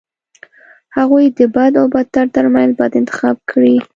هغوی د بد او بدتر ترمنځ بد انتخاب کړي.